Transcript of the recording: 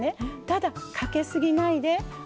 ただ、かけすぎないで。